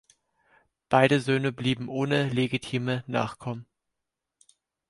Beide Söhne blieben ohne legitime Nachkommen.